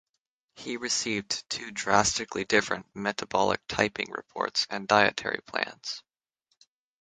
He received two drastically different "metabolic typing" reports and dietary plans.